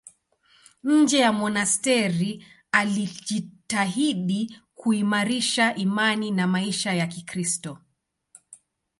Nje ya monasteri alijitahidi kuimarisha imani na maisha ya Kikristo.